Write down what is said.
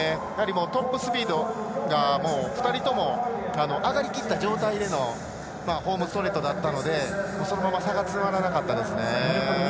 トップスピードが２人とも、上がりきった状態でのホームストレートだったので差が詰まらなかったですね。